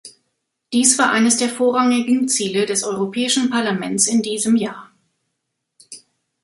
Dies war eines der vorrangigen Ziele des Europäischen Parlaments in diesem Jahr.